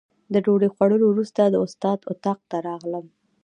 د ډوډۍ خوړلو وروسته د استاد اتاق ته راغلم.